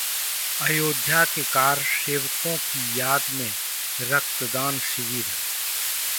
अयोध्या के कारसेवकों की याद में रक्तदान शिविर